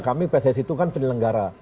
kami pssi itu kan penyelenggara